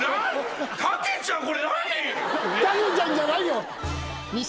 「タケちゃん」じゃないよ。